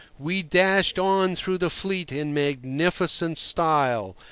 We dashed on through the fleet in magnificent style.